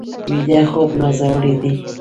ویده خوب نازولي وي